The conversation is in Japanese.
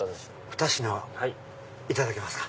ふた品いただけますか？